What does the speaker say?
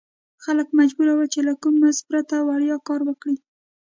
خلک مجبور ول چې له کوم مزد پرته وړیا کار وکړي.